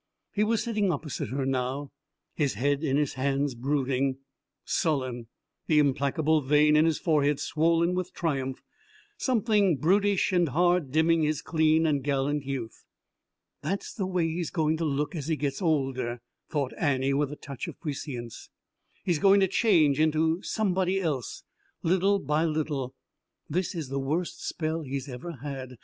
He was sitting opposite her now, his head in his hands, brooding, sullen, the implacable vein in his forehead swollen with triumph, something brutish and hard dimming his clean and gallant youth. "That's the way he's going to look as he gets older," thought Annie with a touch of prescience. "He's going to change into somebody else little by little. This is the worst spell he's ever had.